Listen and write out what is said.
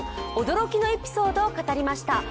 驚きのエピソードを語りました。